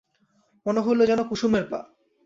মনে হইল যেন কুসুমের পা।